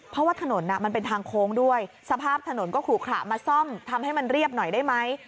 เพราะว่าถนนมันเป็นทางโค้งด้วยสภาพถนนก็ขลุขระมาซ่อมทำให้มันเรียบหน่อยได้ไหม